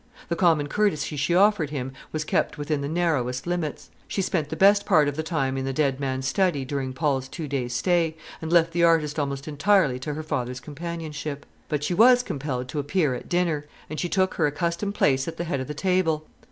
The common courtesy she offered him was kept within the narrowest limits. She spent the best part of the time in the dead man's study during Paul's two days' stay, and left the artist almost entirely to her father's companionship. But she was compelled to appear at dinner, and she took her accustomed place at the head of the table.